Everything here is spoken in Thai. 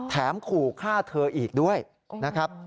ขู่ฆ่าเธออีกด้วยนะครับ